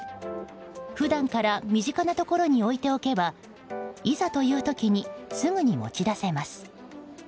普段から身近なところに置いておけばいざという時にすぐに持ち出せます。